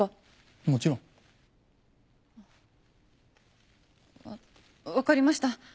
もちろん。わ分かりました。